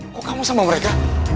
kok kamu sama mereka